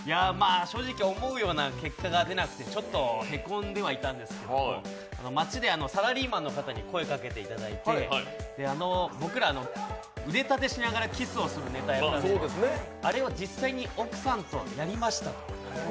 正直思うような結果が出なくてへこんでいたんですが街でサラリーマンの方に声をかけていただいて僕ら、腕立てしながらキスをやるネタやったんですけどあれを実際に奥さんとやりましたと。